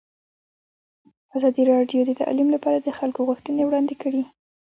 ازادي راډیو د تعلیم لپاره د خلکو غوښتنې وړاندې کړي.